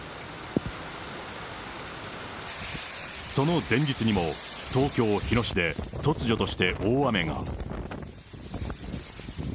その前日にも、東京・日野市で突如として大雨が。